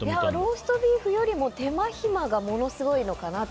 ローストビーフよりも手間暇がものすごいのかなと。